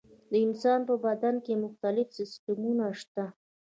د انسان په بدن کې مختلف سیستمونه شته.